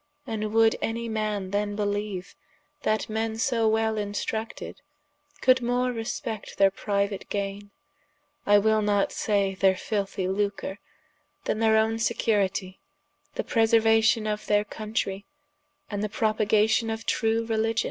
And would any man then beleeue, that men so well instructed, coulde more respect their priuate gaine, I will not say their filthie lucre, then their owne securitie, the preseruation of their Countrey, and the propagation of true Religion?